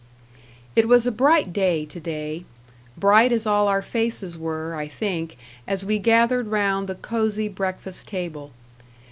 It was a bright day to day bright as all our faces were, I think, as we gathered round the cosy breakfast table.